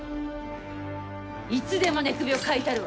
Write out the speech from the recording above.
いつでも寝首をかいたるわ。